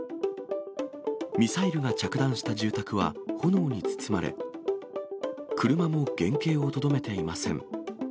ミサイルが着弾した住宅は炎に包まれ、車も原形をとどめていません。